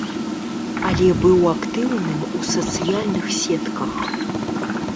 Але быў актыўным у сацыяльных сетках.